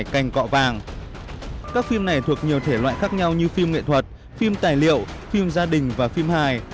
các phim này thuộc nhiều thể loại khác nhau như phim nghệ thuật phim tài liệu phim gia đình và phim hài